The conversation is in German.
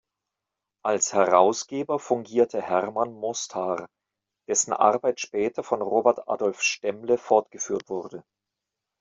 Als Herausgeber fungierte Hermann Mostar, dessen Arbeit später von Robert Adolf Stemmle fortgeführt wurde.